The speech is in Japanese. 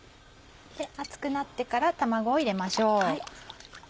熱くなってから卵を入れましょう。